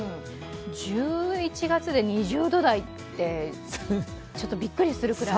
１１月で２０度台ってちょっとびっくりするくらい。